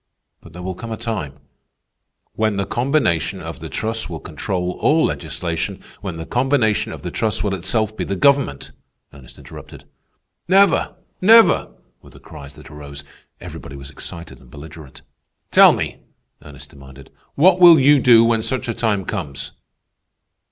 But there will come a time—" "When the combination of the trusts will control all legislation, when the combination of the trusts will itself be the government," Ernest interrupted. "Never! never!" were the cries that arose. Everybody was excited and belligerent. "Tell me," Ernest demanded, "what will you do when such a time comes?"